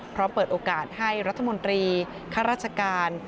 เปิดโอกาสให้รัฐมนตรีข้าราชการ